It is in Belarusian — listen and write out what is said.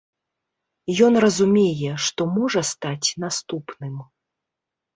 Ён разумее, што можа стаць наступным.